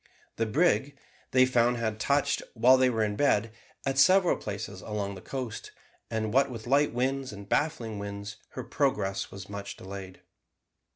The brig, they found, had touched, while they were in bed, at several places along the coast: and what with light winds and baffling winds her progress was much delayed.